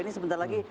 ini sebentar lagi